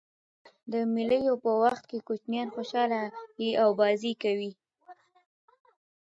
د مېلو په وخت کوچنيان خوشحاله يي او بازۍ کوي.